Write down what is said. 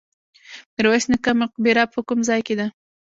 میرویس نیکه مقبره په کوم ځای کې ده؟